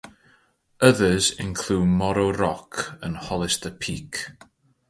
Others include Morro Rock and Hollister Peak.